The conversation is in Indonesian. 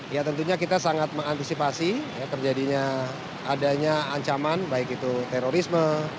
ya tentunya kita sangat mengantisipasi terjadinya adanya ancaman baik itu terorisme